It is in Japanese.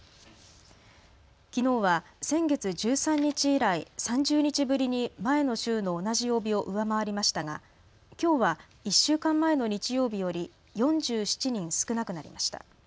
きのうは先月１３日以来、３０日ぶりに前の週の同じ曜日を上回りましたがきょうは１週間前の日曜日より４７人少なくなりました。